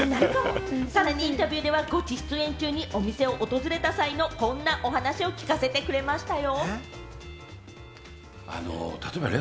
さらにインタビューでは、ゴチ出演中にお店を訪れた際のこんなお話を聞かせてくれましたよ。